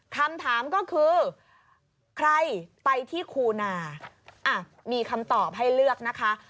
คำถามก็คือใครไปที่คูนามีคำตอบให้เลือกนะคะ